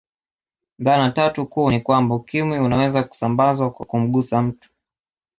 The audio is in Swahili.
Dhana tatu kuu ni kwamba Ukimwi unaweza kusambazwa kwa kumgusa mtu